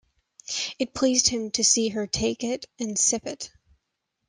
It pleased him to see her take it and sip it.